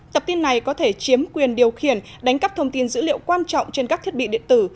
tập tin này có thể chiếm quyền điều khiển đánh cắp thông tin dữ liệu quan trọng trên các thiết bị điện tử